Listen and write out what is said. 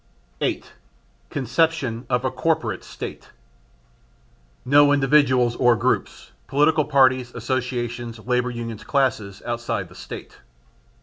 8. Conception of a Corporate State. No individuals nor groups (political parties, associations, labour unions, classes) outside the State.